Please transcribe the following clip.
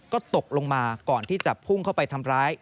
ก็ตกลงมาก่อนที่จะพุ่งเข้าไปทำร้าย